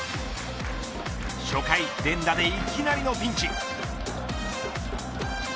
初回連打でいきなりのピンチ。